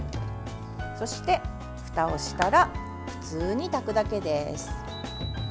そして、ふたをしたら普通に炊くだけです。